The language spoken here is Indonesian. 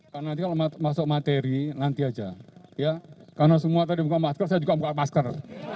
karena nanti kalau masuk materi nanti aja karena semua tadi buka masker saya juga buka masker